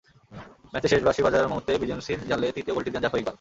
ম্যাচের শেষ বাঁশি বাজার মুহূর্তে বিজেএমসির জালে তৃতীয় গোলটি দেন জাফর ইকবাল।